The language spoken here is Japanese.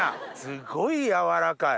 すごい軟らかい。